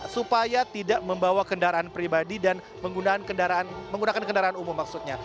supaya tidak membawa kendaraan pribadi dan menggunakan kendaraan umum maksudnya